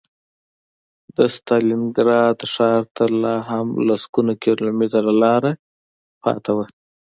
د ستالینګراډ ښار ته لا هم لسګونه کیلومتره لاره پاتې وه